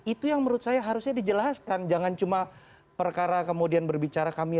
itu yang menurut saya harusnya dijelaskan jangan cuma perkara kemudian berbicara kami